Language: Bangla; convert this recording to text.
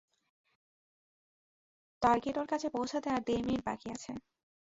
টার্গেটর কাছে পৌঁছাতে আর দেড় মিনিট বাকি আছে।